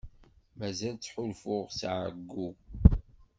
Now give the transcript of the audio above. Mazal ttḥulfuɣ s εeyyu.